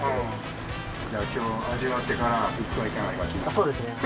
あっそうですね。